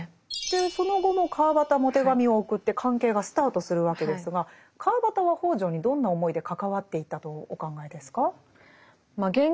その後も川端も手紙を送って関係がスタートするわけですが川端は北條にどんな思いで関わっていったとお考えですか？